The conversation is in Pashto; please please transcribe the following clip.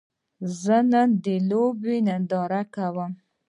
زه نن د لوبې ننداره کوم